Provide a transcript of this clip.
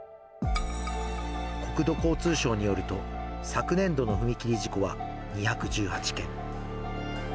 国土交通省によると、昨年度の踏切事故は２１８件。